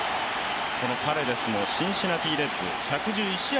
パレデスもシンシナティ・レッズ１１１試合